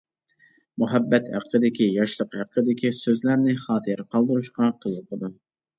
مۇھەببەت ھەققىدىكى، ياشلىق ھەققىدىكى سۆزلەرنى خاتىرە قالدۇرۇشقا قىزىقىدۇ.